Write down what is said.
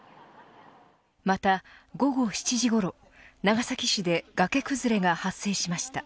また午後７時ごろ長崎市で崖崩れが発生しました。